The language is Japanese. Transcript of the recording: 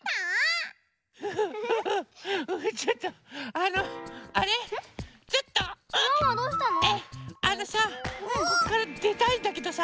あのさこっからでたいんだけどさ